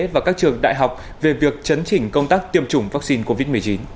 và các trường đại học về việc chấn chỉnh công tác tiêm chủng vaccine covid một mươi chín